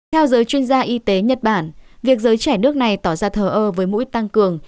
theo giới chuyên gia y tế nhật bản việc giới trẻ nước này tỏ ra thờ ơ với mũi tăng cường